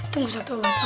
tunggu satu oke